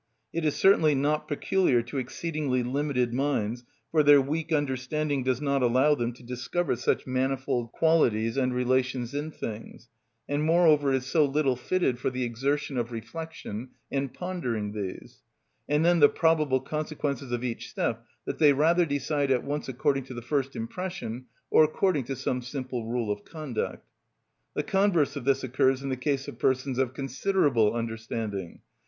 It is certainly not peculiar to exceedingly limited minds, for their weak understanding does not allow them to discover such manifold qualities and relations in things, and moreover is so little fitted for the exertion of reflection and pondering these, and then the probable consequences of each step, that they rather decide at once according to the first impression, or according to some simple rule of conduct. The converse of this occurs in the case of persons of considerable understanding.